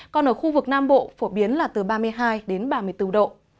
còn ở khu vực nam bộ phổ biến là từ ba mươi hai đến ba mươi bốn độ